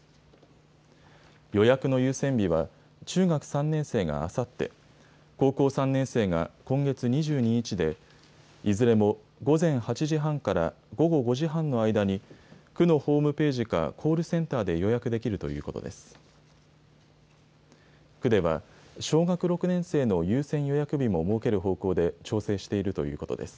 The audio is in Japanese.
予約の優先日は、中学３年生があさって、高校３年生が今月２２日で、いずれも午前８時半から午後５時半の間に、区のホームページかコールセンターで予約できるということです。